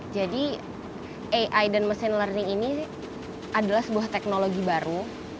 jadi ai dan machine learning ini adalah sebuah teknologi baru